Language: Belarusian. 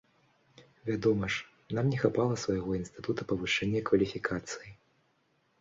Вядома ж, нам не хапала свайго інстытута павышэння кваліфікацыі.